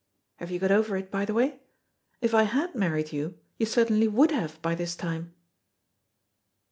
Have you got over it, by the way? If I had married you, you certainly would have by this time."